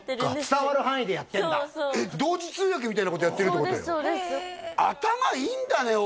伝わる範囲でやってんだそうそう同時通訳みたいなことやってるってことよ